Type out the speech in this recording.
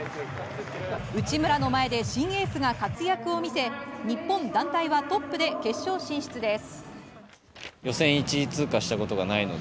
内村の前で新エースが活躍を見せ日本団体はトップで決勝進出です。